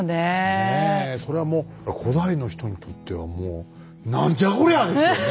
それはもう古代の人にとってはもう「何じゃこりゃ！」ですよね。